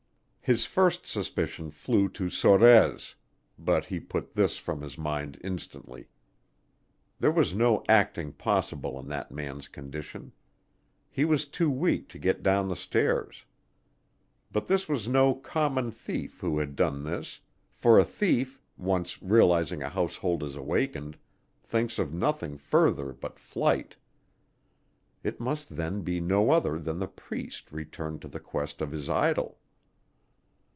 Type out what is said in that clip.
His first suspicion flew to Sorez, but he put this from his mind instantly. There was no acting possible in that man's condition; he was too weak to get down the stairs. But this was no common thief who had done this, for a thief, once realizing a household is awakened, thinks of nothing further but flight. It must then be no other than the priest returned to the quest of his idol.